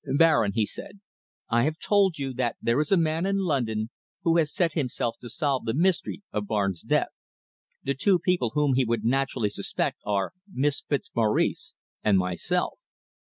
"Baron," he said, "I have told you that there is a man in London who has set himself to solve the mystery of Barnes' death. The two people whom he would naturally suspect are Miss Fitzmaurice and myself.